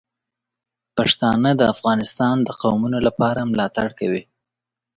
پښتانه د افغانستان د قومونو لپاره ملاتړ کوي.